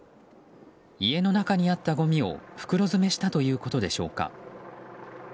家の中にあったごみを袋詰めしたということでしょうか。